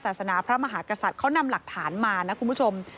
ศาสนาพระมหากษัตริย์เขานำหลักฐานมานะคุณผู้ชม